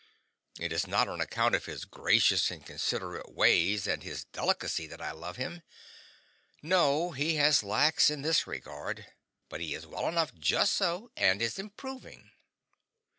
It is not on account of his gracious and considerate ways and his delicacy that I love him. No, he has lacks in this regard, but he is well enough just so, and is improving.